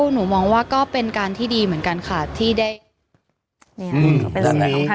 หนูหมองว่าก็เป็นการที่ดีเหมือนกันค่ะที่ได้นี่ค่ะ